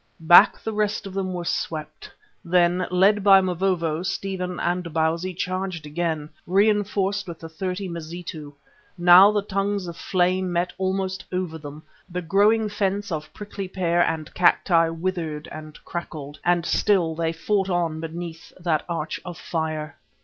Back the rest of them were swept; then, led by Mavovo, Stephen and Bausi, charged again, reinforced with the thirty Mazitu. Now the tongues of flame met almost over them, the growing fence of prickly pear and cacti withered and crackled, and still they fought on beneath that arch of fire.